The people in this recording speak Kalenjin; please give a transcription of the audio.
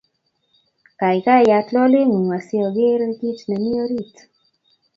kaikai yaat loleng'ung asi ogeer kiit nemii orit